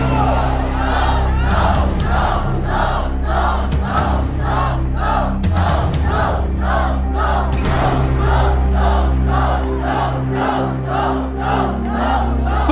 สู้สู้สู้